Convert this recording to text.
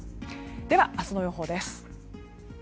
では明日の予報です。